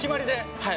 はい。